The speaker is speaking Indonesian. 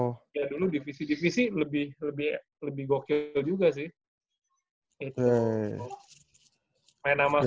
ya dulu divisi divisi lebih lebih gokil juga sih